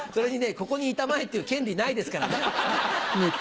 「ここにいたまえ」って言う権利ないですからね。